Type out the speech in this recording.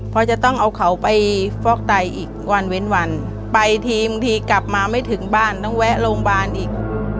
เพราะจะต้องเอาเขาไปฟอกไตอีกวันเว้นวันไปทีบางทีกลับมาไม่ถึงบ้านต้องแวะโรงพยาบาลอีก